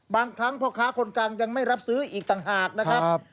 บางครั้งพ่อค้าคนกลางยังไม่รับซื้ออีกต่างหากนะครับ